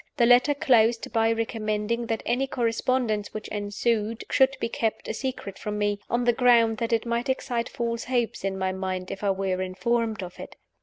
The letter closed by recommending that any correspondence which ensued should be kept a secret from me on the ground that it might excite false hopes in my mind if I were informed of it.